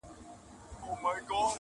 نو دي ولي بنده کړې؛ بیا د علم دروازه ده,